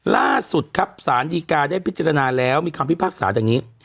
ล่าสุดครับสารดีกาได้พิจารณาแล้วมีคำพิพากษาอย่างนี้